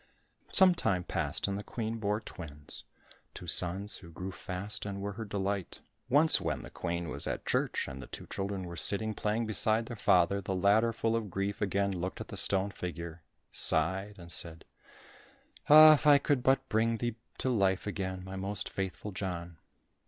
Some time passed and the Queen bore twins, two sons who grew fast and were her delight. Once when the Queen was at church and the two children were sitting playing beside their father, the latter full of grief again looked at the stone figure, sighed and said, "Ah, if I could but bring thee to life again, my most faithful John."